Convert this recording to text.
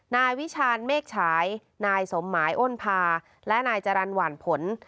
นายวิชาณเมฆฉายนายสมหมายอ้นพาและนายจรรย์หวานผล